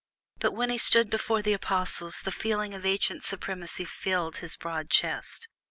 But when he stood before the Apostles the feeling of ancient supremacy filled his broad breast.